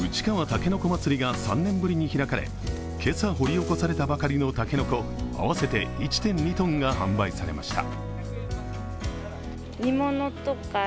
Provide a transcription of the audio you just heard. たけのこまつりが３年ぶりに開かれ今朝掘り起こされたばかりの竹の子合わせて１．２ｔが販売されました。